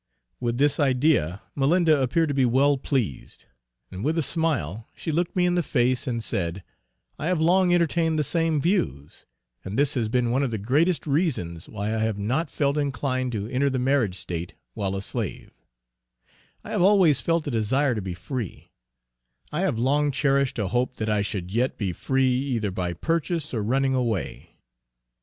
With this idea Malinda appeared to be well pleased, and with a smile she looked me in the face and said, "I have long entertained the same views, and this has been one of the greatest reasons why I have not felt inclined to enter the married state while a slave; I have always felt a desire to be free; I have long cherished a hope that I should yet be free, either by purchase or running away.